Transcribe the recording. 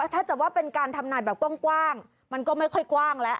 ถ้าจะว่าเป็นการทำนายแบบกว้างมันก็ไม่ค่อยกว้างแล้ว